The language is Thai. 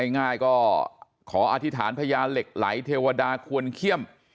ง่ายก็ขออธิษฐานพญาเหล็กไหลเทวดาควรเขี้ยม